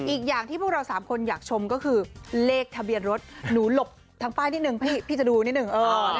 อีกอย่างที่พวกเรา๓คนอยากชมก็คือเลขทะเบียนรถหนูหลบทางป้ายนิดนึงพี่จะดูนิดนึง